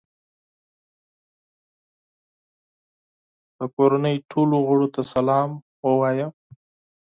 د کورنۍ ټولو غړو ته سلام ووایه.